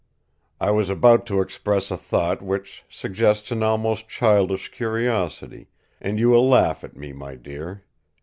"I was about to express a thought which suggests an almost childish curiosity, and you will laugh at me, my dear.